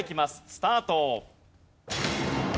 スタート。